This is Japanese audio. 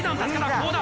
こうだ！